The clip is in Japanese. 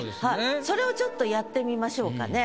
それをちょっとやってみましょうかね。